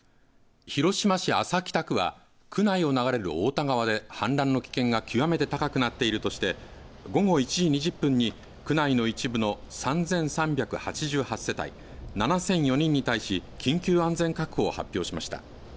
広島市安佐北区は区内を流れる太田川で氾濫の危険が極めて高くなっているとして午後１時２０分に区内の一部の３３８８世帯、７００４人に対し緊急安全確保を発表しました。